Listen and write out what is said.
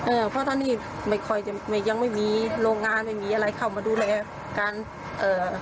เพราะตอนนี้ไม่ค่อยจะไม่ยังไม่มีโรงงานไม่มีอะไรเข้ามาดูแลการเอ่อ